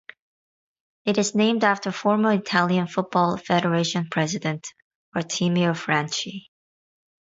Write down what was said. It is named after former Italian Football Federation president Artemio Franchi.